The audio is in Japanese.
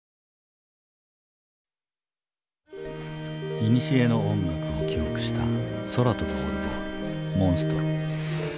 いにしえの音楽を記憶した空飛ぶオルゴール「モンストロ」。